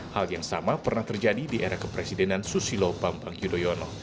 hal yang sama pernah terjadi di era kepresidenan susilo bambang yudhoyono